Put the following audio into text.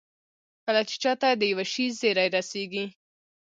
کله چې چا ته د يوه شي زېری رسېږي.